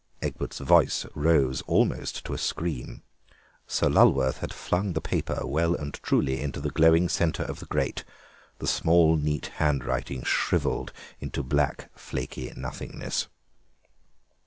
Egbert's voice rose almost to a scream. Sir Lulworth had flung the paper well and truly into the glowing centre of the grate. The small, neat handwriting shrivelled into black flaky nothingness.